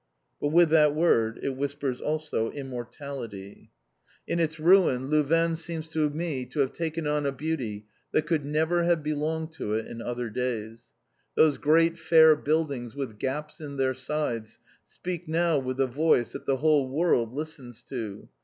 _" But with that word it whispers also "Immortality." In its ruin Louvain seems to me to have taken on a beauty that could never have belonged to it in other days. Those great fair buildings with gaps in their sides, speak now with a voice that the whole world listens to.